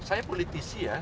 saya politisi ya